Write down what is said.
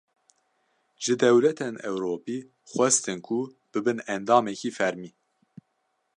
Ji dewletên Ewropî, xwestin ku bibin endamekî fermî